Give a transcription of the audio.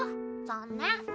残念。